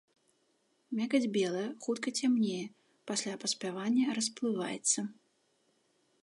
Мякаць белая, хутка цямнее, пасля паспявання расплываецца.